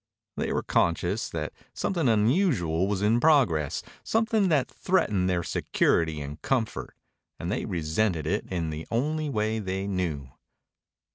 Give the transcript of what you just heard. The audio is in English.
They were conscious that something unusual was in progress, something that threatened their security and comfort, and they resented it in the only way they knew.